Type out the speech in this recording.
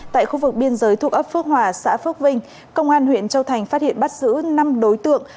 tại khu vực biên giới thuộc ấp phước hòa xã phước vinh công an huyện châu thành phát hiện bắt giữ năm đối tượng